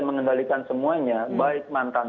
mengendalikan semuanya baik mantan